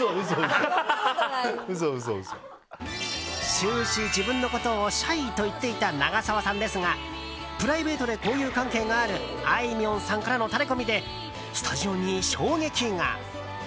終始自分のことを、シャイと言っていた長澤さんですがプライベートで交友関係があるあいみょんさんからのタレコミでスタジオに衝撃が。